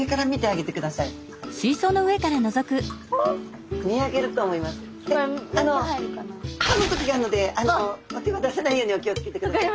あのかむ時があるのでお手は出さないようにお気をつけてください。